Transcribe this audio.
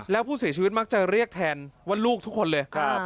แล้วผู้เสียชีวิตมักจะเรียกแทนว่าลูกทุกคนเลย